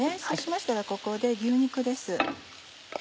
そうしましたらここで牛肉です。